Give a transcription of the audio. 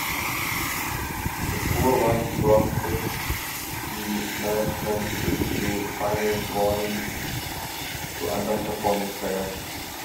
The poor run prompted the management to issue "final warnings" to under performing players.